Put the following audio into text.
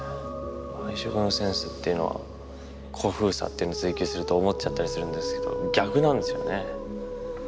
配色のセンスっていうのは古風さってのを追求すると思っちゃったりするんですけど逆なんですよね。